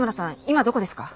今どこですか？